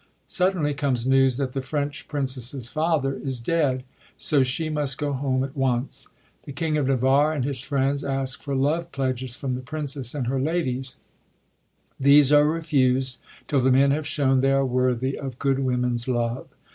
Suddenly comes news that the French prin cess's father is dead ; so she must go home at once. The King of Navarre and his friends ask for love pledges from the princess and her ladies ; these are refused till the men have shown they are worthy of good women's love.